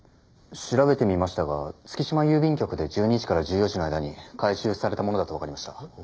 調べてみましたが月島郵便局で１２時から１４時の間に回収されたものだとわかりました。